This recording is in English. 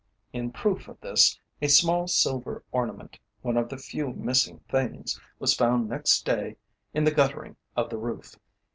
In proof of this a small silver ornament, one of the few missing things, was found next day in the guttering of the roof."